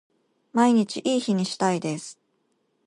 毎日いい日にしたいです